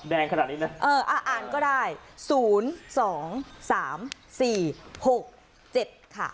แดงขนาดนี้น่ะเอออ่าอ่านก็ได้ศูนย์สองสามสี่หกเจ็ดค่ะ